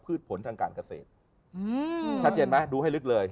ผลทางการเกษตรชัดเจนไหมดูให้ลึกเลย